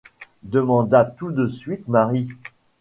demanda tout de suite Marie.